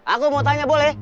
aku mau tanya boleh